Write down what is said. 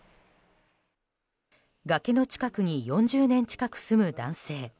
崖の近くに４０年近く住む男性。